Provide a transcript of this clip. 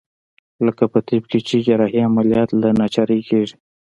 لکه په طب کښې چې جراحي عمليات له ناچارۍ کېږي.